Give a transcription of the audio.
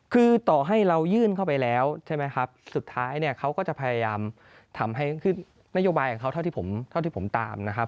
คือต่อให้เรายื่นเข้าไปแล้วใช่ไหมครับสุดท้ายเนี่ยเขาก็จะพยายามทำให้ขึ้นนโยบายของเขาเท่าที่ผมตามนะครับ